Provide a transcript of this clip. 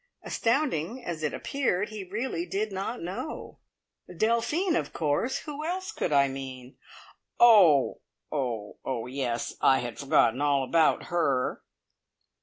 Astounding as it appeared, he really did not know. "Delphine, of course! Who else could I mean?" "Oh oh. Yes, I had forgotten all about her."